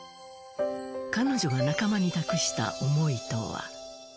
彼女が仲間に託した思いとは。